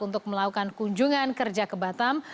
untuk melakukan kunjungan kerja ke batam